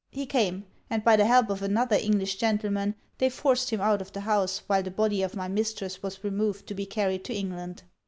He came; and by the help of another English gentleman they forced him out of the house while the body of my mistress was removed to be carried to England.